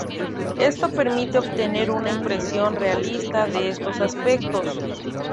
Esto permite obtener una impresión realista de estos aspectos.